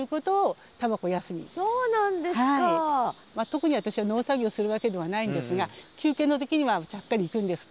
特に私は農作業するわけではないんですが休憩の時にはちゃっかり行くんです。